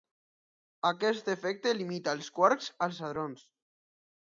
Aquest efecte limita els quarks als hadrons.